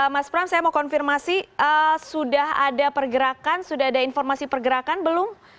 mas pram saya mau konfirmasi sudah ada pergerakan sudah ada informasi pergerakan belum